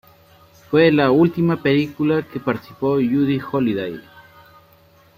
Fue la última película que participó Judy Holliday.